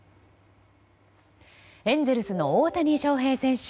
エンゼルスの大谷翔平選手